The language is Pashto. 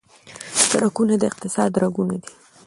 سرکونه د اقتصاد رګونه دي.